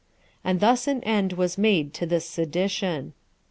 And thus an end was put to this sedition.